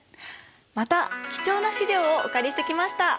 また貴重な資料をお借りしてきました。